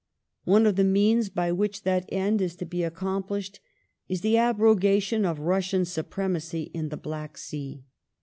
One of the means by which that end is to be accomplished is the abrogation of Russian supremacy in the Black Sea."